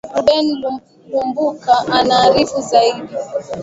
ruben lukumbuka anaarifu zaidi